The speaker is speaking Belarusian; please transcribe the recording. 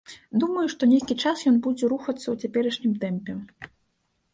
Думаю, што нейкі час ён будзе рухацца ў цяперашнім тэмпе.